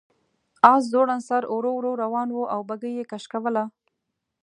آس ځوړند سر ورو ورو روان و او بګۍ یې کش کوله.